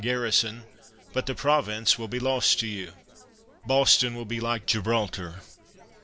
244 WILKES garrison; but the province will be lost to you. Boston will be like Gibraltar.